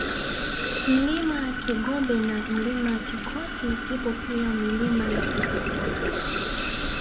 Mlima Kigombe na Mlima Kikoti ipo pia Milima ya Kijumbura